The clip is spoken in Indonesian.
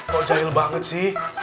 kok jahil banget sih